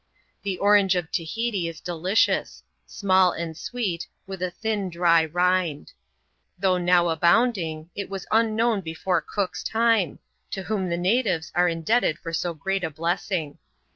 The orange of Tahiti is delicious — small and sweet, with I thin, dry rind. Though now abounding, it was unknown before Cook's time, to whom the natives are indebted for so great a blessing.